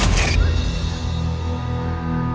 nih kenapa bahkan bangsa